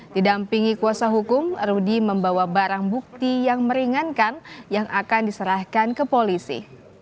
didampingi kuasa hukum rudy membawa barang bukti yang meringankan yang akan diserahkan ke polisi